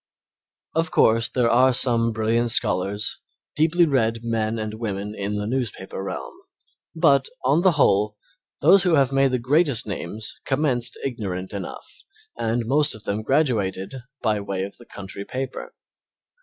Of course, there are some brilliant scholars, deeply read men and women in the newspaper realm, but, on the whole, those who have made the greatest names commenced ignorant enough and most of them graduated by way of the country paper.